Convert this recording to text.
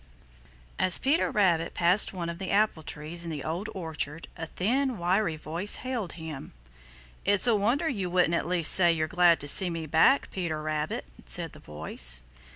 As Peter Rabbit passed one of the apple trees in the Old Orchard, a thin, wiry voice hailed him. "It's a wonder you wouldn't at least say you're glad to see me back, Peter Rabbit," said the voice.